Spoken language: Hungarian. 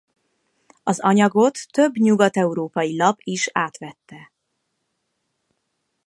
Az anyagot több nyugat-európai lap is átvette.